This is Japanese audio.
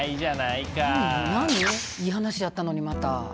いい話やったのにまた。